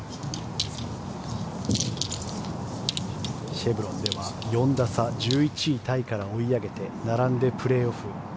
シェブロンでは４打差１１位タイから追い上げて並んでプレーオフ。